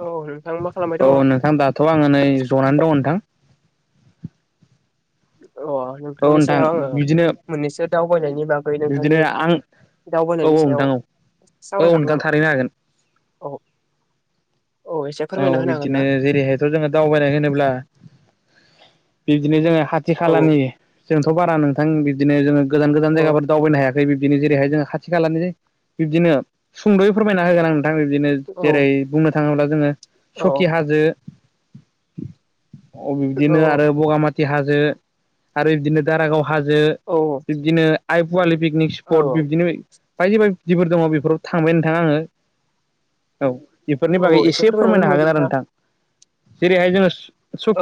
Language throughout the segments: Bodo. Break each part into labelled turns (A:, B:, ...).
A: औ नोंथां मा खालामबाय दङ
B: औ नोंथां दाथ' आङो नै जनानै दं नोंथां
A: अ
B: औ
A: नोंथांनि
B: नोंथां
A: सायाव आङो
B: बिदिनो
A: मोननैसो दावबायनायनि बागै
B: बिदिनो
A: नोंथांनि
B: आं औ
A: दावबायनायनि
B: औ
A: सायाव
B: नोंथां औ औ
A: सावरायजागोन
B: नोंथां
A: नामा
B: थारैनो हागोन।
A: औ। औ एसे
B: औ
A: फोरमायना होनो हागोन
B: बिब्दिनो
A: ना
B: जेरैहायथ' जोङो दावबायनाय होनोब्ला बिब्दिनो जोङो खाथि
A: औ
B: खालानि जोंथ' बारा नोंथां बिदिनो जोङो गोजान गोजान
A: औ
B: जायगाफोर दावबायनो हाया बे बिब्दिनो जेरैहाय जोङो खाथि खालानि बिब्दिनो सुंद'यै फोरमायना होगोन आं दा बिदिनो
A: औ
B: जेरै बुंनो थाङोब्ला जोङो
A: औ
B: सखि हाजो अ
A: औ
B: बिबदिनो आरो बगामाथि हाजो आरो बिदिनो दारागाव हाजो
A: औ
B: बिब्दिनो आइ पवालि पिकनिक
A: औ
B: स्पट बिब्दिनो बायदि बायदि जिफोर दङ बेफोराव थांबाय नोंथां आङो औ बेफोरनि
A: औ
B: बागै एसे
A: फोरमायना
B: फोरमायनो
A: होनो
B: हागोन आरो
A: नोंथाङा
B: नोंथां जेरैहाय जोङो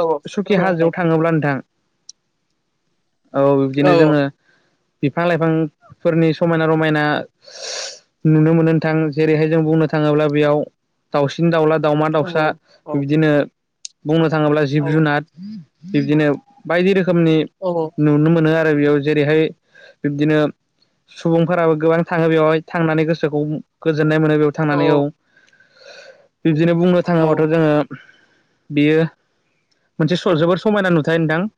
A: औ
B: सखि
A: फोरमायना
B: हाजोआव
A: होलाय
B: थाङोब्ला नोंथां। औ बिब्दिनो जोङो बिफां लाइफांफोरनि समायना- रमायना, नुनो मोनो नोंथां जेरैहाय जों बुंनो थाङोब्ला बेयाव दाउसिन दाउला दावमा
A: औ
B: दाउसा
A: औ
B: बिदिनो बुंनो थाङोब्ला जिब जुनार बिब्दिनो बायदि रोखोमनि
A: औ
B: नुनो मोनो आरो दा बेयाव जेरैहाय बिब्दिनो सुबुंफोराबो गोबां थाङो बेवहाय थांनानै गोसोखौ गोजोननाय मोनो बेयाव थांनानै औ! बिब्दिनो बुंनो
A: औ
B: थाङोबाथ' जोङो बियो मोनसे स जोबोर समायना नुथाय नोंथां उम।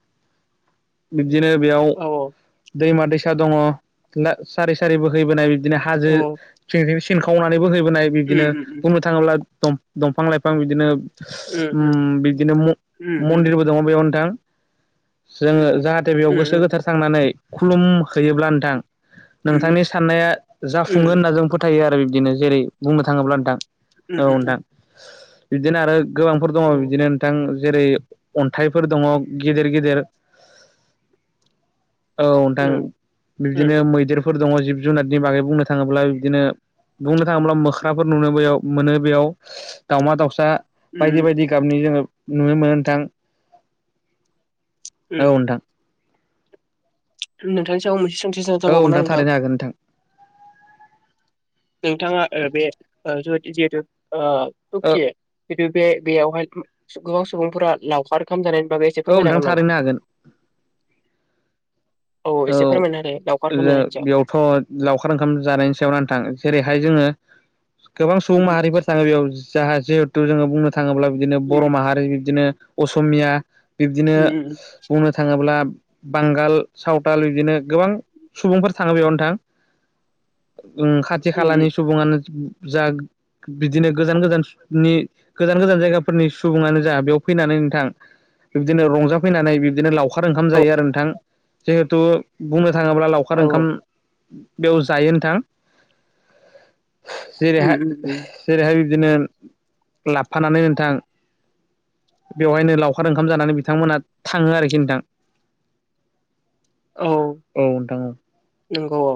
B: बिदिनो बेयाव
A: औ
B: दैमा दैसा दङ ना सारि सारि बोहैबोनाय बिदिनो हाजो
A: उम
B: सिंथिं सिनखावनानै बोहैबोनाय बिदिनो
A: उम उम
B: बुंनो थाङोब्ला दं दंफां लाइफां बिदिनो उम बिदिनो म
A: उम उम उम
B: मन्दिरबो दङ बेयाव नोंथां। जोंङो जाहाथे बेयाव
A: उम उम
B: गोसो गोथार थांनानै नोंथांनि साननाया जाफुङो होनना जों फोथायो। बिबदिनो जेरै बुंनो थाङोब्ला नोंथां औ
A: उम
B: नोंथां बिदिनो आरो गोबांफोर दंङ बिदिनो नोंथां जेरै अन्थाइफोर दंङ गेदेर गेदेर औ नोंथां बिदिनो मैदेरफोर दङ। जिब जुनारनि बागै बुंनो थांङोब्ला बिदिनो बुंनो थांङोब्ला मोख्राफोर नुनोबोयाव मोनो बेयाव दाउमा दाउसा बायदि
A: उम
B: बायदि
A: उम
B: गाबनि जोङो नुनो मोनो नोंथां।
A: उम
B: औ नोंथां
A: नोंथांनि सायाव मोनसे सोंथि सोंजा
B: औ
A: बावगोन ना नोंथां
B: थारैनो हागोन नोंथां
A: नोंथाङा ओ बे ओ जोबा जिहेतु ओ
B: औ
A: चुकि बिदि बे बेयावहाय गोबां सुबुंफोरा लावखार ओंखाम जानाय बागै एसे
B: औ
A: फोरमाय
B: नोंथां
A: जागोन नामा
B: थारैनो हागोन औ
A: एसे फोरमायना होदो लावखार ओंखाम
B: जों
A: जानायनि सायाव
B: बेयावथ' लावखार ओंखाम जानायनि सायावना नोंथां जेरैहाय जोङो गोबां सुबुं
A: उम
B: माहारिफोर थाङो बेयाव जाहा जिहेथु जोङो बुंनो था थाङोब्ला बिदिनो बर' माहारि बिदिनो असमिया बिब्दिनो
A: उम
B: बुंनो थाङोब्ला बांगाल सावथाल बिदिनो गोबां सुबुंफोर थाङो बेयाव नोंथां उम खाथि खालानि
A: उम
B: सुबुङानो जा बिदिनो गोजान गोजाननि गोजान गोजान जायगाफोरनि सुबुङानो जा बेयाव फैनानै नोंथां बिब्दिनो रंजाफैनानै बिब्दिनो लावखार ओंखाम जायो आरो नोंथां जेहेथु बुंनो थाङोब्ला लावखार
A: औ
B: ओंखाम बेयाव जायो नोंथां
A: उम
B: जेरैहाय
A: उम उम
B: जेरैहाय बिदिनो लाबफानानै नोंथां बेवहायनो लावखार ओंखाम जानानै बिथांमोना थाङो आरोखि नोंथां औ नोंथां ओं
A: नोंगौ औ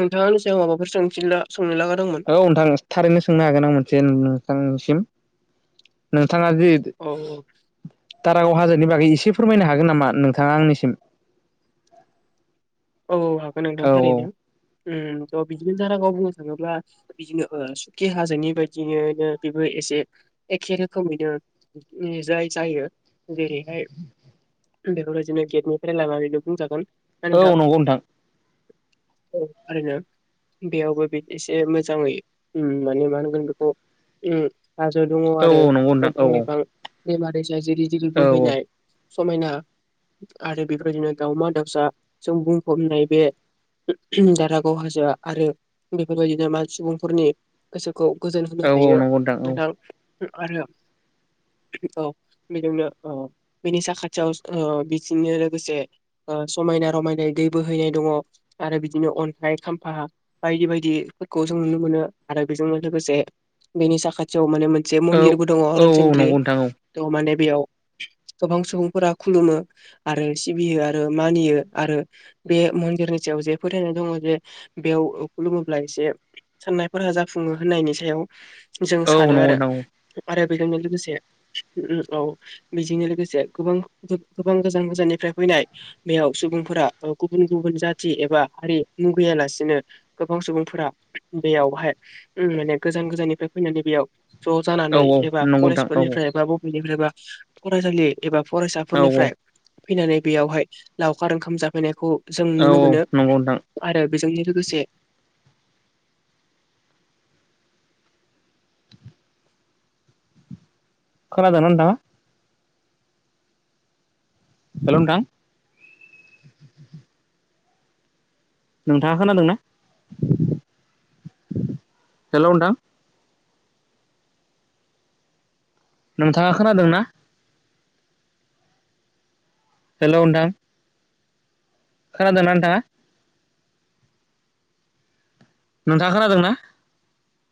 A: नोंथाङा आंनि सायाव माबाफोर सोंथिला सोंनो लागादंमोन
B: औ औ नोंथां थारैनो सोंनो हागोन आं मोनसे नोंथांसिम नों थाङा जि
A: औ
B: दारागाव हाजोनि बागै एसे फोरमायनो हागोन नामा नोंथाङा आंनिसिम
A: औ औ हागोन नोंथां
B: औ
A: थारैनो
B: औ
A: उम थ' बिदिनो दारागाव बुंनो थाङोब्ला बिदिनो ओ सुखि हाजोनि बायदिनो बेबो ए एखे रोखोमैनो जाय जायो जेरैहाय बेफोरबायदिनो गेटनिफ्राय लानानैनो बुंजागोन
B: औ नंगौ नोंथां
A: औ थारैनो बेयावबो एसे मोजाङै उम माने मा होनगोन बेखौ उम हाजो दङ
B: औ
A: आरो
B: औ नंगौ नोंथां औ
A: दंफां लाइफां दैमा दैसा जिरि जिरि
B: औ
A: बोहैनाय समायना आरो बेफोरबायदिनो दाउमा दाउसा जों बुंफबनाय बे दारागाव हाजोआ आरो बेफोरबायदिनो मान सुबुंफोरनि गोसो खौ गोजोन होनो
B: औ औ
A: हायो
B: नंगौ औ
A: नोंथां आरो औ बेजोंनो औ बेनि साखाथियाव ओ बिजोंनो लोगोसे ओ समायना रमायना रै दै बोहैनाय दङ आरो बिदिनो अन्थाइ खाम्फा बायदि बायदिफोरखौ जों नुनो मोनो आरो बेजोंनो लोगोसे बेनि साखाथियाव माने जे
B: औ
A: मन्दिर बो दंङ
B: औ
A: रोनचोन्द्रि
B: नंगौ नोंथां
A: माने बेयाव गोबां सुबुंफोरा खुलुमो आरो सिबियो आरो मानियो आरो बे मन्दिरनि सायाव जे फोथायनाय दङ जे बेयाव खुलुमोब्ला एसे साननायफोरा जाफुङो होनायनि सायाव जों
B: औ नंगौ नोंथां औ
A: सानो
B: नंगौ नोंथां औ
A: आरो बैजोंनो लोगोसे औ बिजोंनो लोगोसे गोबां गोबां गोजान गोजाननिफ्राय फैनाय नाय बेयाव सुबुंफोरा गुबुन गुबुन जाथि एबा हारि मुगैयालासिनो गोबां सुबुंफोरा बेयावहाय उम माने गोजान गोजाननिफ्राय फैनानै बेयाव ज' जानानै एबा कलेजफोरनिफ्राय एबा बबेनिफ्राय बा फरायसालि एबा फरायसाफोरनिफ्राय फैनानै बेयावहाय लावखार ओंखाम जाफैनायखौ जों नुनो मोनो
B: नंगौ नोंथां
A: आरो बेजोंनो लोगोसे
B: खोनादोना नोंथाङा हेलौ नोंथां नोंथाङा खोनादोंना हेल' नोंथां। नोंथाङा खोनादों ना हेलौ नोंथां खोनादोना नोंथाङा नोंथाङा खोनादोंना